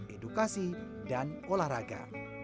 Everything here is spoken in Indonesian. edukasi dan olahraga